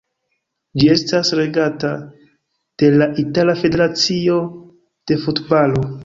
Ĝi estas regata de la Itala Federacio de Futbalo.